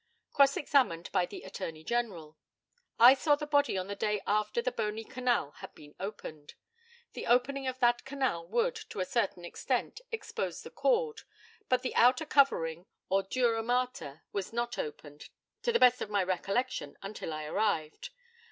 Cross examined by the ATTORNEY GENERAL: I saw the body the day after the bony canal had been opened. The opening of that canal would, to a certain extent, expose the cord, but the outer covering or dura mater was not opened, to the best of my recollection, until I arrived.